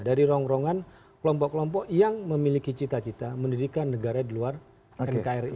dari rongkrongan kelompok kelompok yang memiliki cita cita mendirikan negara di luar nkri